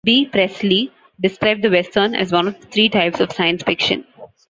B. Priestley described the "Western" as one of the three types of science fiction.